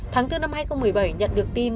tháng bốn năm hai nghìn một mươi bảy nhận được tin